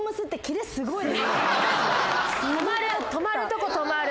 止まるとこ止まる。